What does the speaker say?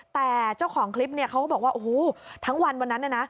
แต่เจ้าของคลิปเนี่ยเขาก็บอกว่าโอ้โหทั้งวันวันนั้นเนี่ยนะ